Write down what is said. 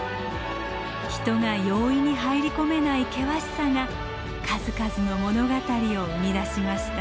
人が容易に入り込めない険しさが数々の物語を生み出しました。